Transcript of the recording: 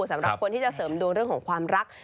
สำหรับคนที่จะเสริมดวงเรื่องของความรัก